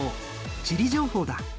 地理情報だ。